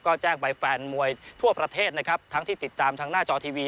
ก็แจ้งไปแฟนมวยทั่วประเทศนะครับทั้งที่ติดตามทางหน้าจอทีวี